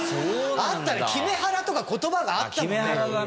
あったね「キメハラ」とか言葉があったもんね。